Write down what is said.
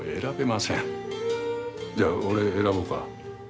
じゃあ俺選ぼうか？